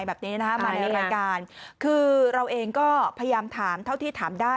มาและรายการคือเราเองก็พยายามถามเท่าที่ถามได้